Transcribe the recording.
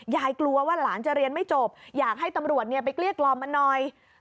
กลัวว่าหลานจะเรียนไม่จบอยากให้ตำรวจไปเกลี้ยกล่อมมันหน่อย